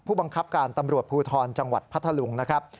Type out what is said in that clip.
บังคับการตำรวจภูทรจังหวัดพัทธลุงนะครับ